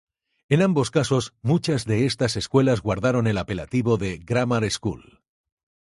En ambos casos, muchas de estas escuelas guardaron el apelativo de "grammar school".